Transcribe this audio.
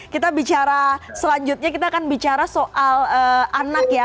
kita bicara selanjutnya kita akan bicara soal anak ya